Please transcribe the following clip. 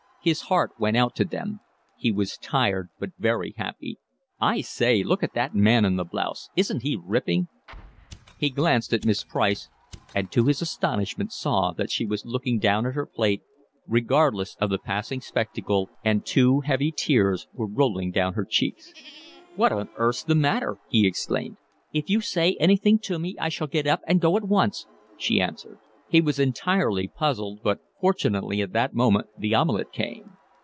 His heart went out to them. He was tired but very happy. "I say, look at that man in the blouse. Isn't he ripping!" He glanced at Miss Price, and to his astonishment saw that she was looking down at her plate, regardless of the passing spectacle, and two heavy tears were rolling down her cheeks. "What on earth's the matter?" he exclaimed. "If you say anything to me I shall get up and go at once," she answered. He was entirely puzzled, but fortunately at that moment the omelette came.